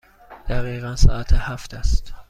دقیقاً ساعت هفت است.